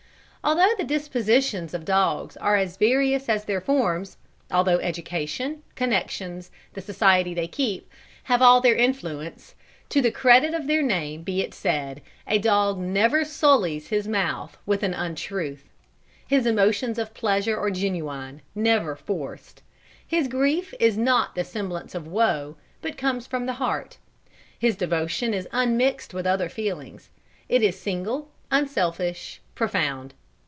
Although the dispositions of dogs are as various as their forms although education, connections, the society they keep, have all their influence to the credit of their name be it said, a dog never sullies his mouth with an untruth. His emotions of pleasure are genuine, never forced. His grief is not the semblance of woe, but comes from the heart. His devotion is unmixed with other feelings. It is single, unselfish, profound.